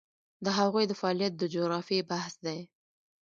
د هغوی د فعالیت د جغرافیې بحث دی.